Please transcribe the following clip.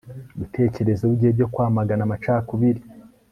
ibitekerezo bye byo kwamagana amacakubiri